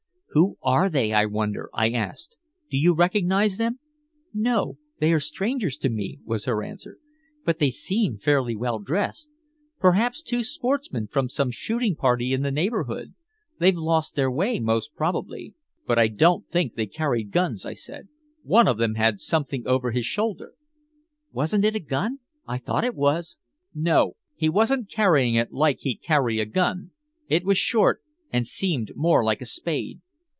"Who are they, I wonder?" I asked. "Do you recognize them?" "No. They are entire strangers to me," was her answer. "But they seem fairly well dressed. Perhaps two sportsmen from some shooting party in the neighborhood. They've lost their way most probably." "But I don't think they carried guns," I said. "One of them had something over his shoulder?" "Wasn't it a gun? I thought it was." "No, he wasn't carrying it like he'd carry a gun. It was short and seemed more like a spade."